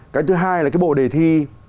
cái thứ hai là cái bộ đề thi